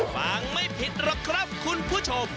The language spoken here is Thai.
ฟังไม่ผิดหรอกครับคุณผู้ชม